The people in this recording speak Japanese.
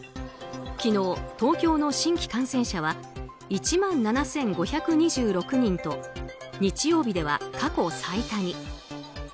昨日、東京の新規感染者は１万７５２６人と日曜日では過去最多に。